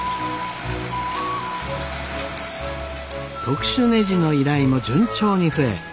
特殊ねじの依頼も順調に増え